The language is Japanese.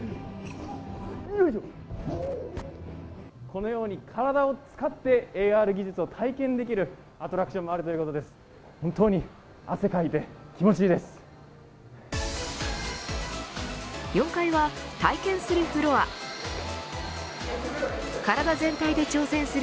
このように体を使ってＡＲ技術を体験できるアトラクションもあるということです。